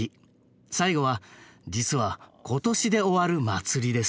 最後は実は今年で終わる祭りです。